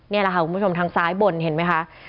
นี่แหละค่ะคุณผู้ชมทางซ้ายบนเห็นไหมคะ